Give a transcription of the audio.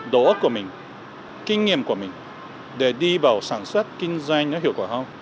đồ ức của mình kinh nghiệm của mình để đi vào sản xuất kinh doanh nó hiệu quả không